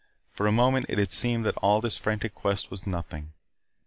For a moment, it had seemed that all this frantic quest was nothing.